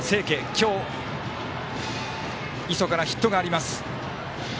今日、磯からヒットがあります。